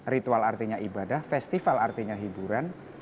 ritual artinya ibadah festival artinya hiburan